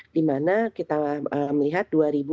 di mana kita melihat dua ribu delapan ratus